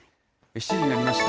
７時になりました。